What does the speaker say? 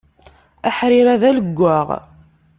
Aḥrir-a d alewwaɣ.